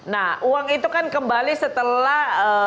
nah uang itu kan kembali setelah